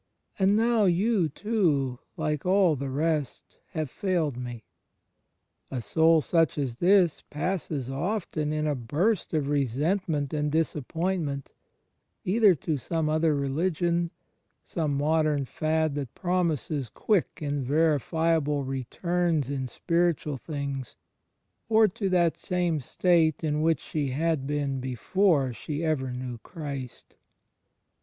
And now You too, like all the rest, have failed me." A soul such as this passes often, in a burst of resentment and disappointment, either to some other religion — some modem fad that promises quick and verifiable returns in spiritual things — or to that same state in which she had been before she ever knew Christ.